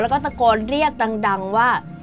แล้วก็ตะโกนเรียกดังว่า